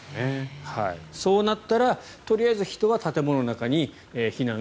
そうなったらとりあえず人は建物の中に避難。